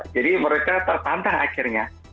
jadi mereka tertantang akhirnya